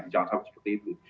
jangan sampai seperti itu